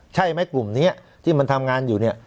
ใช่ไหมกลุ่มนี้ที่มันทำงานอยู่เนี่ย